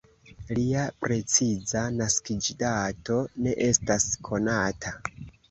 Lia preciza naskiĝdato ne estas konata.